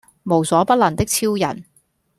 無所不能的超人